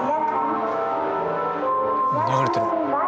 流れてるわ。